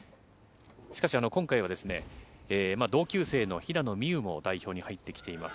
しかし、今回は同級生の平野美宇も代表に入ってきています。